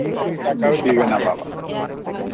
এক টাকাও দিবে না বাবা।